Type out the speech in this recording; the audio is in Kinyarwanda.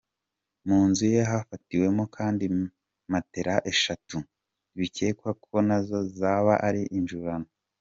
Mu nzu ye hafatiwemo kandi matela eshatu bikekwa ko nazo zaba ari injurano.